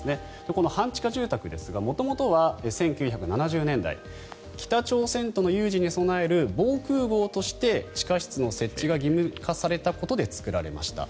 この半地下住宅ですが元々は１９７０年代北朝鮮との有事に備える防空壕として地下室の設置が義務化されたことで作られました。